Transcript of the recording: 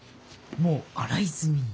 もう洗い済みぃ